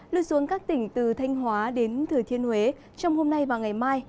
lưu xuống các tỉnh từ thanh hóa đến thừa thiên huế trong hôm nay và ngày mai